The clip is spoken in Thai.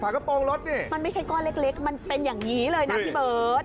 กระโปรงรถนี่มันไม่ใช่ก้อนเล็กมันเป็นอย่างนี้เลยนะพี่เบิร์ต